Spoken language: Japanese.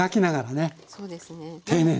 そうですね。